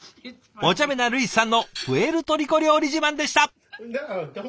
おちゃめなルイスさんのプエルトリコ料理自慢でした。